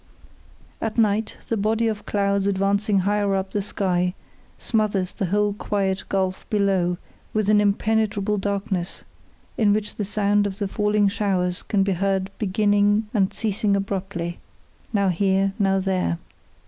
At night the body of clouds advancing higher up the sky smothers the whole quiet gulf below with an impenetrable darkness, in which the sound of the falling showers can be heard beginning and ceasing abruptly now here, now there.